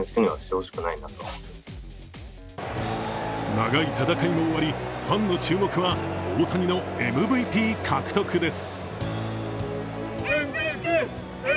長い戦いも終わり、ファンの注目は大谷のＭＶＰ獲得です。